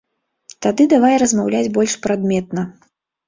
Тады давай размаўляць больш прадметна.